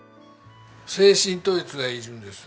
精神統一がいるんです。